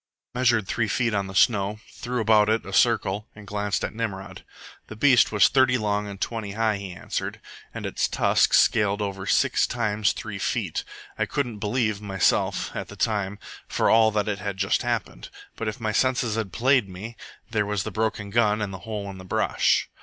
I measured three feet on the snow, threw about it a circle, and glanced at Nimrod. "The beast was thirty long and twenty high," he answered, "and its tusks scaled over six times three feet. I couldn't believe, myself, at the time, for all that it had just happened. But if my senses had played me, there was the broken gun and the hole in the brush.